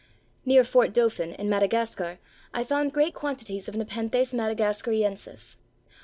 Near Fort Dauphin, in Madagascar, I found great quantities of Nepenthes madagascariensis.